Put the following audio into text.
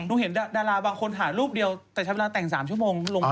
เห็นดาราบางคนถ่ายรูปเดียวแต่ใช้เวลาแต่ง๓ชั่วโมงลงไป